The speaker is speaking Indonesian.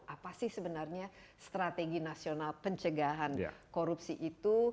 apa sih sebenarnya strategi nasional pencegahan korupsi itu